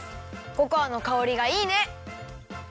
ココアのかおりがいいね！